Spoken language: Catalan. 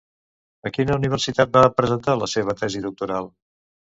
A quina universitat va presentar la seva tesi doctoral?